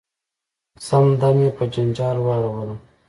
سم دم یې په جنجال واړولم .